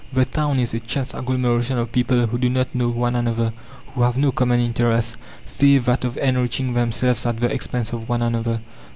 The town is a chance agglomeration of people who do not know one another, who have no common interest, save that of enriching themselves at the expense of one another.